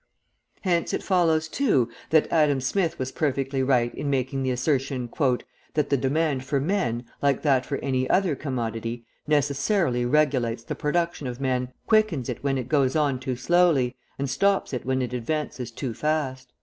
Hence it follows, too, that Adam Smith was perfectly right in making the assertion: "That the demand for men, like that for any other commodity, necessarily regulates the production of men, quickens it when it goes on too slowly, and stops it when it advances too fast."